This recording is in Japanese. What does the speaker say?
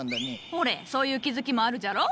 ほれそういう気付きもあるじゃろ？